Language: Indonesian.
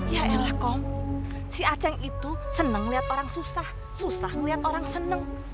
ya elah kom si aceng itu seneng ngeliat orang susah susah ngeliat orang seneng